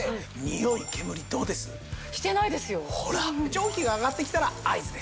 蒸気が上がってきたら合図です。